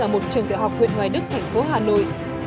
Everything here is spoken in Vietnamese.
ở một trường tiểu học huyện hoài đức thành phố hà nội